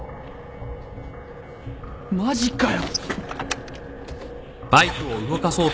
マジかよ。